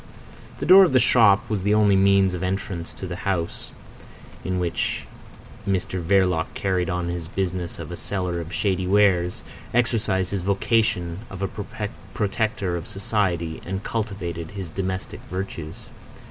The door of the shop was the only means of entrance to the house in which Mr Verloc carried on his business of a seller of shady wares, exercised his vocation of a protector of society, and cultivated his domestic virtues.